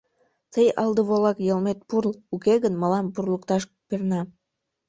— Тый, алдыволак, йылмет пурл, уке гын мылам пурлыкташ перна!